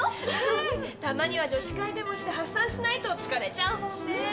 たまには女子会でもして発散しないと疲れちゃうもんね。